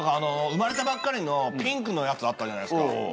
産まれたばっかりのピンクのやつあったじゃないですか。